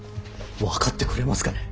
分かってくれますかね。